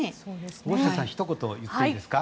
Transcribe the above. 大下さんひと言言っていいですか？